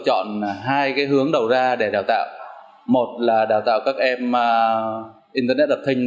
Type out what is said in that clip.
chọn hai cái hướng đầu ra để đào tạo một là đào tạo các em internet of things